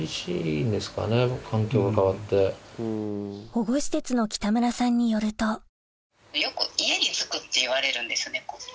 保護施設の北村さんによるとよく「家につく」っていわれるんです猫って。